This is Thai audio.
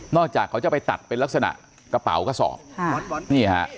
จากเขาจะไปตัดเป็นลักษณะกระเป๋ากระสอบค่ะนี่ฮะ